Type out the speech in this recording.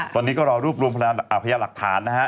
ตอนนี้ก็รอรูปรวมอพยาบาปรักฐาน